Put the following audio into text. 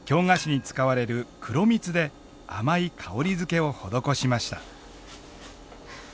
菓子に使われる黒蜜で甘い香りづけを施しました。